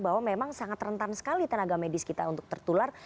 bahwa memang sangat rentan sekali tenaga medis kita untuk tertular